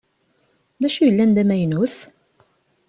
Dacu i yellan d amaynut?